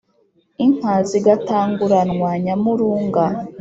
inka zigatanguranwa nyamurunga.